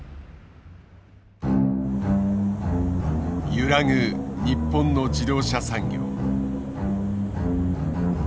揺らぐ日本の自動車産業。